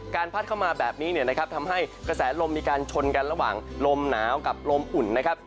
พัดเข้ามาแบบนี้เนี่ยนะครับทำให้กระแสลมมีการชนกันระหว่างลมหนาวกับลมอุ่นนะครับ